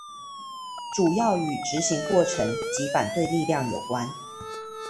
主要與執行過程及反對力量有關